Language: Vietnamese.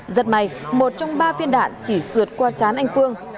giật mày một trong ba phiên đạn chỉ sượt qua chán anh phương